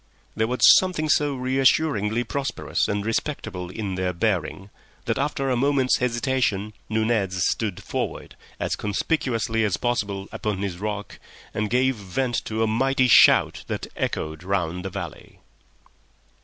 There was something so reassuringly prosperous and respectable in their bearing that after a moment's hesitation Nunez stood forward as conspicuously as possible upon his rock, and gave vent to a mighty shout that echoed round the valley.